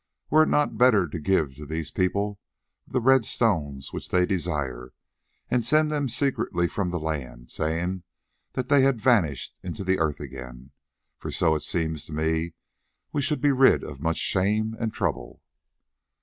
Were it not better to give to these people the red stones which they desire, and send them secretly from the land, saying that they had vanished into the earth again, for so it seems to me we should be rid of much shame and trouble?"